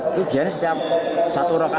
itu biasanya setiap satu roka